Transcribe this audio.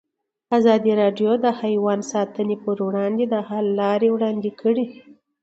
ازادي راډیو د حیوان ساتنه پر وړاندې د حل لارې وړاندې کړي.